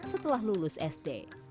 setelah lulus sd